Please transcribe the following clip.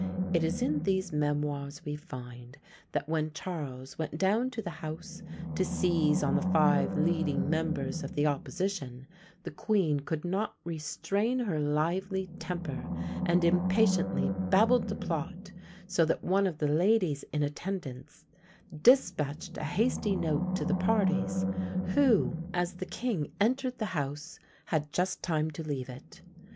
It is in these memoirs we find, that when Charles went down to the house, to seize on the five leading members of the opposition, the queen could not restrain her lively temper, and impatiently babbled the plot; so that one of the ladies in attendance despatched a hasty note to the parties, who, as the king entered the house, had just time to leave it.